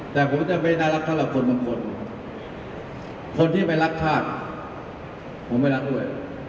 แต่ผมจะไม่น่ารักสำหรับคนบางคนคนที่ไม่รักชาติผมไม่รักด้วย